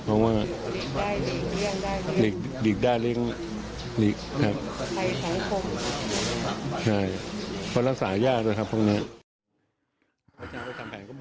เพราะว่าหลีกได้เลี้ยงหลีกครับใช่เพราะรักษาญาตินะครับพวกนั้น